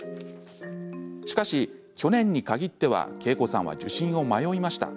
しかし、去年に限ってはけいこさんは受診を迷いました。